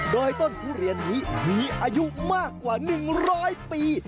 โดยต้นทุเรียนนี้มีอายุมากกว่า๑๐๐ปี